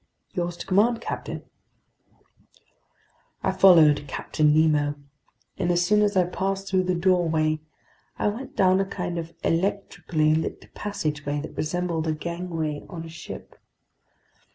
"Yours to command, captain." I followed Captain Nemo, and as soon as I passed through the doorway, I went down a kind of electrically lit passageway that resembled a gangway on a ship.